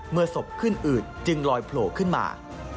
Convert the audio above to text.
ศพขึ้นอืดจึงลอยโผล่ขึ้นมา